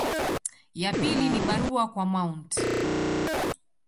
Ya pili ni barua kwa Mt.